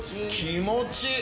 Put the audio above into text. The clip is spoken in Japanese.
気持ちいい。